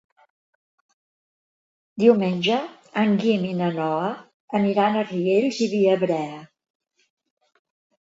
Diumenge en Guim i na Noa aniran a Riells i Viabrea.